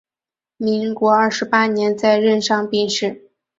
民国二十八年在任上病逝。